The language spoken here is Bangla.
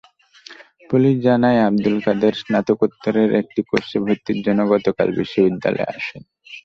পুলিশ জানায়, আবদুল কাদের স্নাতকোত্তরের একটি কোর্সে ভর্তির জন্য গতকাল বিশ্ববিদ্যালয়ে আসেন।